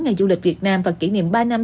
ngày du lịch việt nam và kỷ niệm ba năm